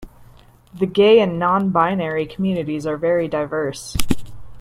The gay and non-binary communities are very diverse.